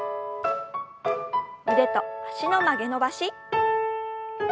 腕と脚の曲げ伸ばし。